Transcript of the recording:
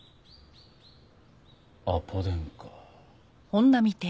アポ電か。